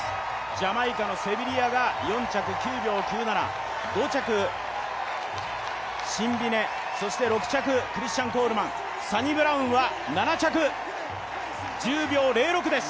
ジャマイカのセビリアが４着、９秒９７５着、シンビネ、そして６着、クリスチャン・コールマン、サニブラウンは７着、１０秒０６です。